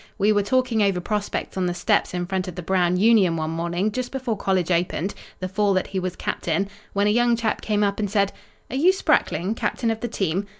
We were talking over prospects on the steps in front of the Brown Union one morning just before college opened, the fall that he was captain, when a young chap came up and said: "'Are you Sprackling, Captain of the Team?'